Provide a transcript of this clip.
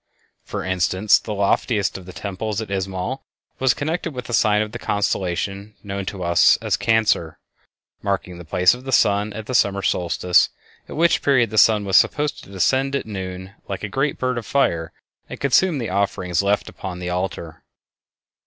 For instance, the loftiest of the temples at Izamal was connected with the sign of the constellation known to us as Cancer, marking the place of the sun at the summer solstice, at which period the sun was supposed to descend at noon like a great bird of fire and consume the offerings left upon the altar.